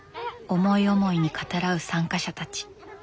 思い思いに語らう参加者たち。